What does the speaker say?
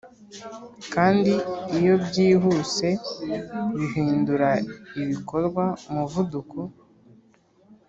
kandi, iyo byihuse, hindura ibikorwa 'umuvuduko